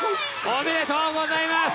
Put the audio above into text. おめでとうございます。